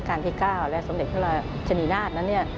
เป็นห้องที่ทั้งพระบราชสมเด็จพระเจ้าอยู่หัวระการตี่๙